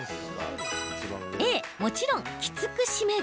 Ａ・もちろん、きつく締める？